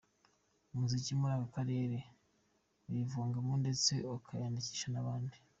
umuziki muri aka karere ayiyumvamo ndetse akayikundisha nabandi.